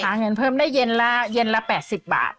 หาเงินเพิ่มได้เย็นละ๘๐บาท